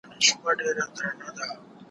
چي كتل يې زما تېره تېره غاښونه